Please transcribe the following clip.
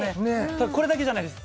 ただこれだけじゃないです